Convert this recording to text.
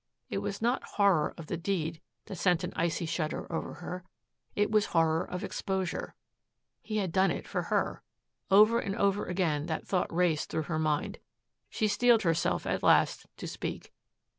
It was not horror of the deed that sent an icy shudder over her. It was horror of exposure. He had done it for her. Over and over again that thought raced through her mind. She steeled herself at last to speak.